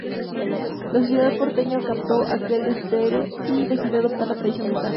La sociedad porteña captó aquel desaire y decidió adoptar la tradición británica.